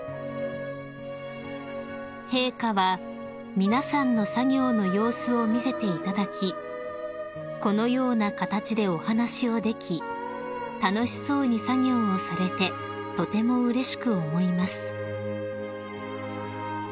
［陛下は「皆さんの作業の様子を見せていただきこのような形でお話をでき楽しそうに作業をされてとてもうれしく思います」］